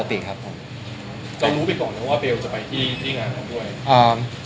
เรารู้ไปก่อนแล้วว่าเบลจะไปที่งานกันด้วย